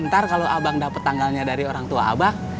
ntar kalo abang dapet tanggalnya dari orang tua abang